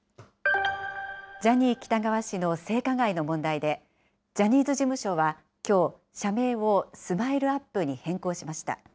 ジャニー喜多川氏の性加害の問題で、ジャニーズ事務所はきょう、社名をＳＭＩＬＥーＵＰ．に変更しました。